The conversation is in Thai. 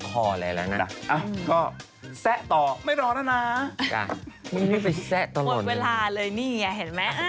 เพลงโรนหมดเวลาเลยนี่เห็นไหม